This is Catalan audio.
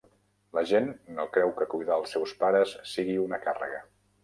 La gent no creu que cuidar els seus pares sigui una càrrega.